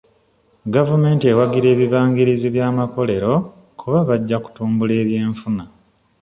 Gavumenti ewagira ebibangirizi by'amakolero kuba bajja kutumbula eby'enfuna.